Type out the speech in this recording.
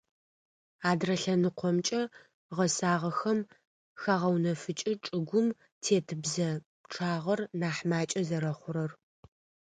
Адрэ лъэныкъомкӏэ - гъэсагъэхэм хагъэунэфыкӏы чӏыгум тет бзэ пчъагъэр нахь макӏэ зэрэхъурэр.